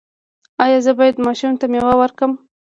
ایا زه باید ماشوم ته میوه ورکړم؟